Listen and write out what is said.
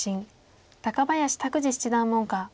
高林拓二七段門下。